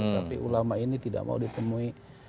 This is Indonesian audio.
tapi ulama ini tidak mau ditemui